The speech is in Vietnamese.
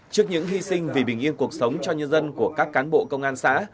trước những hy sinh vì bình yên cuộc sống cho nhân dân của các cán bộ công an xã